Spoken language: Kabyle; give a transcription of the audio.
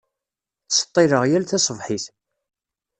Tṣeṭṭileɣ yal taṣebḥit.